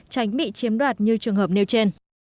tránh bị chiếm đoạt như trường hợp nêu trên